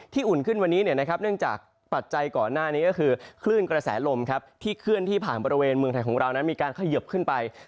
อุ่นขึ้นวันนี้เนื่องจากปัจจัยก่อนหน้านี้ก็คือคลื่นกระแสลมที่เคลื่อนที่ผ่านบริเวณเมืองไทยของเรานั้นมีการเขยิบขึ้นไป